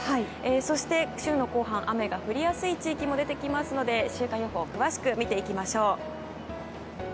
そして、週の後半雨が降りやすい地域も出てきますので週間予報詳しく見ていきましょう。